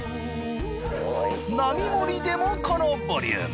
並盛りでもこのボリューム。